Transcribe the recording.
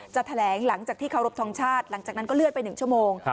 แถลงหลังจากที่เคารพทงชาติหลังจากนั้นก็เลื่อนไป๑ชั่วโมง